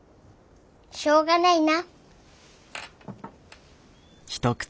しょうがないな。